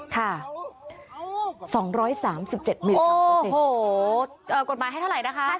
ค่ะ๒๓๗มิลครับคุณสิโอ้โหกฎหมายให้เท่าไหร่นะคะ